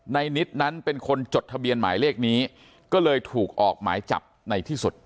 นิดนั้นเป็นคนจดทะเบียนหมายเลขนี้ก็เลยถูกออกหมายจับในที่สุด